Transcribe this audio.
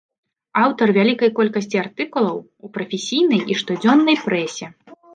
Аўтар вялікай колькасці артыкулаў у прафесійнай і штодзённай прэсе.